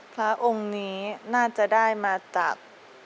พระองค์นี้น่าจะได้มาจาก